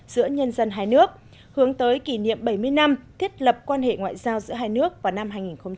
giữa nhân dân hai nước hướng tới kỷ niệm bảy mươi năm thiết lập quan hệ ngoại giao giữa hai nước vào năm hai nghìn hai mươi